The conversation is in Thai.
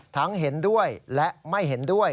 เห็นด้วยและไม่เห็นด้วย